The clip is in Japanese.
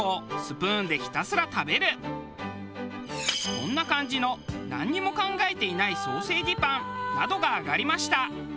こんな感じのなんにも考えていないソーセージパンなどが挙がりました。